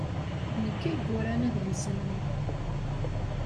D nekk ay yuran adlis-nni.